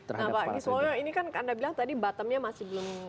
nah pak giswoyo ini kan anda bilang tadi bottomnya masih belum kelihatan ya